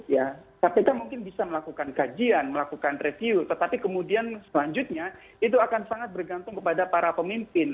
ya kpk mungkin bisa melakukan kajian melakukan review tetapi kemudian selanjutnya itu akan sangat bergantung kepada para pemimpin